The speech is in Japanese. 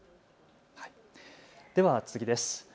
では次です。